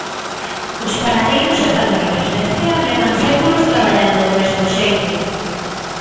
Os panadeiros e panadeiras de Cea levan séculos traballando do mesmo xeito.